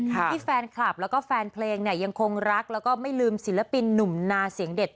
ที่แฟนคลับแล้วก็แฟนเพลงเนี่ยยังคงรักแล้วก็ไม่ลืมศิลปินหนุ่มนาเสียงเด็ด